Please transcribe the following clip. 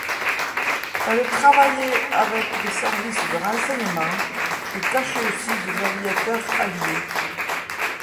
Elle travaillait avec les services de renseignements et cachait aussi des aviateurs alliés.